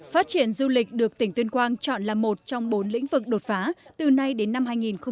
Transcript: phát triển du lịch được tỉnh tuyên quang chọn là một trong bốn lĩnh vực đột phá từ nay đến năm hai nghìn ba mươi